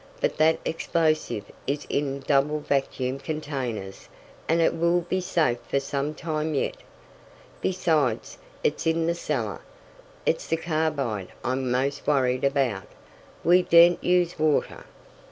But that explosive is in double vacuum containers, and it will be safe for some time yet. Besides, it's in the cellar. It's the carbide I'm most worried about. We daren't use water."